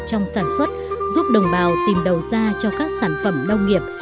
trong sản xuất giúp đồng bào tìm đầu ra cho các sản phẩm nông nghiệp